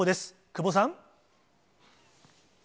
久保さん。